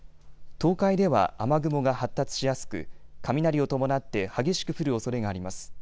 東海では雨雲が発達しやすく雷を伴って激しく降るおそれがあります。